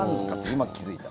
今、気付いた。